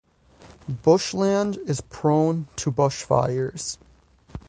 Bushland is prone to bushfires.